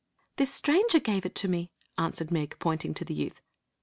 " "This ^angper gave it to mc," answered Meg, pointing to the youth.